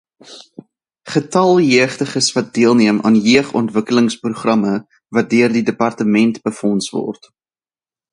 Getal jeugdiges wat deelneem aan Jeugontwikkelingsprogramme wat deur die departement befonds word.